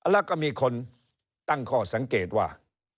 แล้วก็มีคนตั้งข้อสังเกตว่า